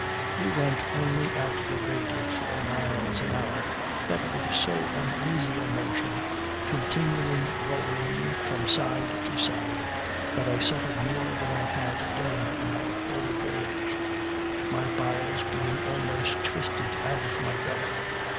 We went only at the rate of four miles an hour, but with so uneasy a motion, continuing rolling from side to side, that I suffered more than I had done in our whole voyage; my bowels being almost twisted out of my belly.